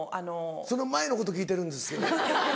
その前のこと聞いてるんです。